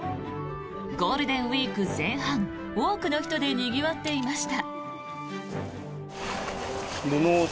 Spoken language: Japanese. ゴールデンウィーク前半多くの人でにぎわっていました。